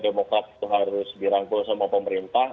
demokrat itu harus dirangkul sama pemerintah